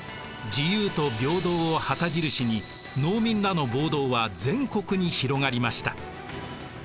自由と平等を旗印に農民らの暴動は全国に広がりました。